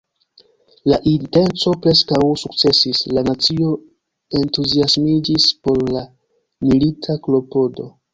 La intenco preskaŭ sukcesis: la nacio entuziasmiĝis por la milita klopodo.